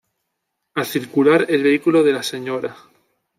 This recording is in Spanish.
Al circular el vehículo de la Sra.